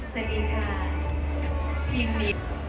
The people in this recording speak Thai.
เซอร์ดี้ค่ะ